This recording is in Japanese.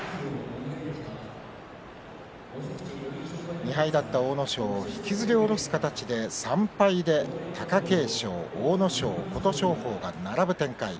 ２敗だった阿武咲を引きずり下ろす形で３敗で貴景勝、阿武咲琴勝峰が並ぶ展開。